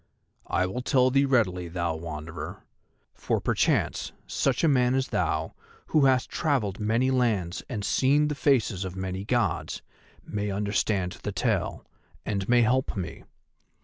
"I will tell thee readily, thou Wanderer, for perchance such a man as thou, who hast travelled in many lands and seen the faces of many Gods, may understand the tale, and may help me.